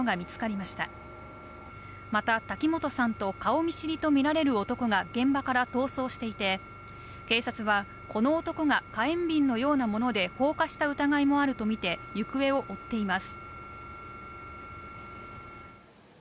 また、滝本さんと顔見知りとみられる男が現場から逃走していて、警察はこの男が火炎瓶のようなもので放火した疑いもあるとみて行方を追っています。